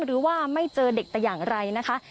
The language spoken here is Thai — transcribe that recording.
หรือว่าไม่เจอเด็กแต่อย่างไรนะคะ